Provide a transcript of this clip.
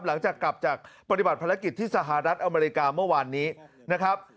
หลังจากกลับจากปฏิบัติภารกิจที่สหรัฐอเมริกาเมื่อวานนี้นะครับ